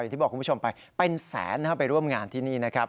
ที่บอกคุณผู้ชมไปเป็นแสนไปร่วมงานที่นี่นะครับ